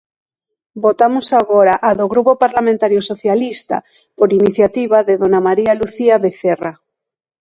Votamos agora a do Grupo Parlamentario Socialista, por iniciativa de dona María Lucía Vecerra.